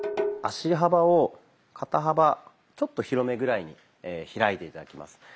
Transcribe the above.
足幅を肩幅ちょっと広めぐらいに開いて頂きます。